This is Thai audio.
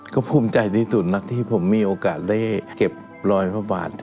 ก็ภูมิใจที่สุดนะที่ผมมีโอกาสได้เก็บรอยพระบาท